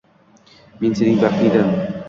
Men sening baxtingman